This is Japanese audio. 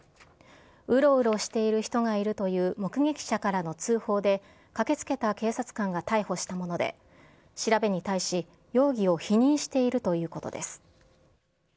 うろうろしている人がいるという目撃者からの通報で、駆けつけた警察官が逮捕したもので、調べに対し、容疑を否認しているということです。